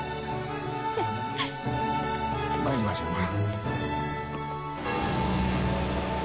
参りましょうか。